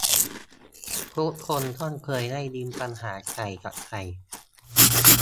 ทุกคนต้องเคยได้ยินปัญหาไก่กับไข่